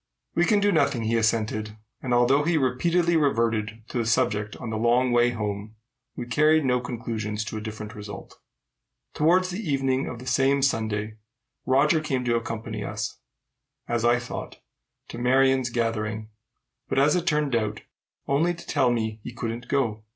"We can do nothing," he assented; and, although we repeatedly reverted to the subject on the long way home, we carried no conclusions to a different result. Towards evening of the same Sunday, Roger came to accompany us, as I thought, to Marion's gathering, but, as it turned out, only to tell me he couldn't go.